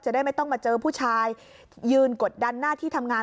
ได้ไม่ต้องมาเจอผู้ชายยืนกดดันหน้าที่ทำงาน